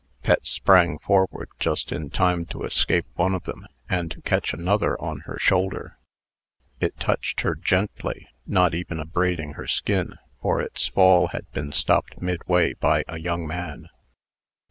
Pet sprang forward just in time to escape one of them, and to catch another on her shoulder. It touched her gently, not even abrading her skin, for its fall had been stopped midway by a young man.